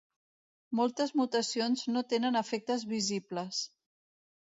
Moltes mutacions no tenen efectes visibles.